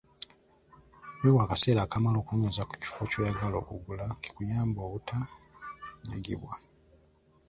Weewe akaseera akamala okunoonyereza ku kifo ky'oyagala okugula kikuyambe obutanyagibwa.